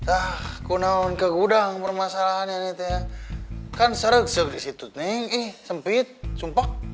ah aku mau ke gudang permasalahannya si neng kan seruk seruk disitu nih eh sempit sumpit